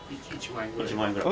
１万円ぐらい。